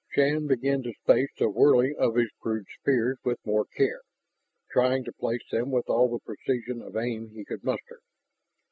Shann began to space the hurling of his crude spears with more care, trying to place them with all the precision of aim he could muster.